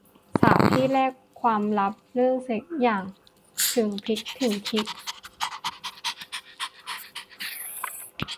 สาวที่แลกความลับเรื่องเซ็กส์อย่างถึงพริกถึงขิง